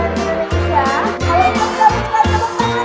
บาริโฮะหัวไทยไง